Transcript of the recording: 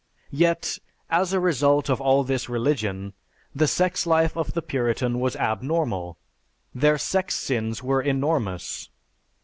"Yet, as a result of all this religion, the sex life of the Puritan was abnormal.... Their sex sins were enormous.